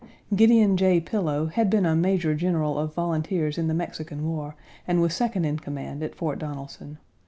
Gideon J. Pillow had been a Major General of volunteers in the Mexican War and was second in command at Fort Donelson.